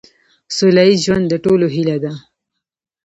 سوله ایز ژوند د ټولو هیله ده.